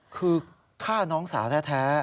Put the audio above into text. คือฆ่าน้องสาวแท้